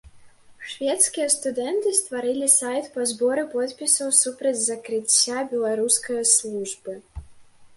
Шведскія студэнты стварылі сайт па зборы подпісаў супраць закрыцця беларускае службы.